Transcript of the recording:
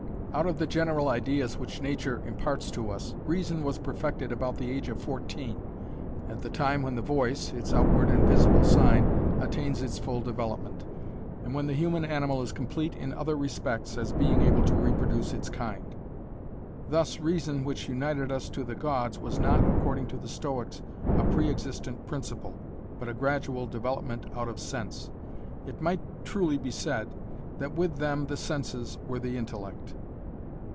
Out of the general ideas which nature imparts to us, reason was perfected about the age of fourteen, at the time when the voice its outward and visible sign attains its full development, and when the human animal is complete in other respects as being able to reproduce its kind. Thus reason which united us to the gods was not, according to the Stoics, a pre existent principal, but a gradual development out of sense. It might truly be said that with them the senses were the intellect.